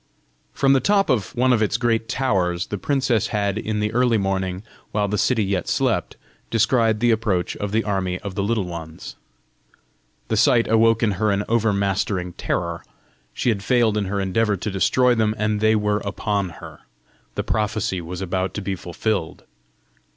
From the top of one of its great towers, the princess had, in the early morning, while the city yet slept, descried the approach of the army of the Little Ones. The sight awoke in her an over mastering terror: she had failed in her endeavour to destroy them, and they were upon her! The prophecy was about to be fulfilled!